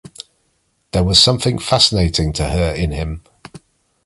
There was something fascinating to her in him.